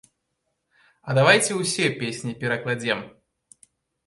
А давайце ўсе песні перакладзем.